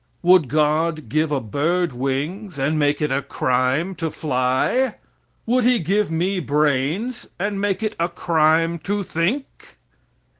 Would God give a bird wings and make it a crime to fly? Would he give me brains and make it a crime to think?